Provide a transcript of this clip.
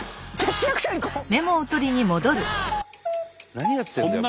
何やってんだよ。